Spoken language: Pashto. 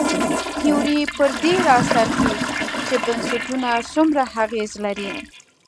تیوري پر دې راڅرخي چې بنسټونه څومره اغېز لري.